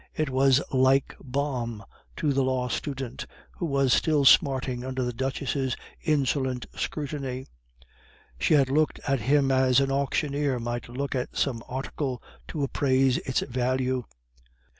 It was like balm to the law student, who was still smarting under the Duchess' insolent scrutiny; she had looked at him as an auctioneer might look at some article to appraise its value.